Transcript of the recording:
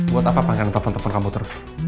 buat apa pangeran telfon telfon kamu terus